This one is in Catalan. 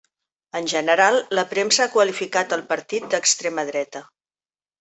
En general, la premsa ha qualificat al partit d'extrema dreta.